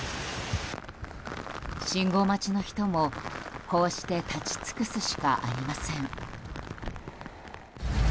信号待ちの人もこうして立ち尽くすしかありません。